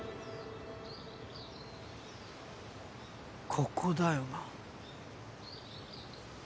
ここだよな。